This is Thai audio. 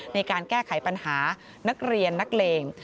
ในการแก้ไขปัญหานักเรียนนักเลง